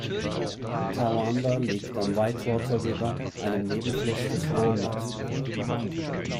Towanda liegt am Whitewater River, einem Nebenfluss des Walnut River.